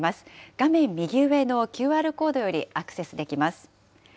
画面右上のＱＲコードよりアクセスできます。